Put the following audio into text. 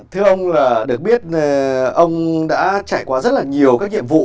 thưa ông là được biết ông đã trải qua rất là nhiều các nhiệm vụ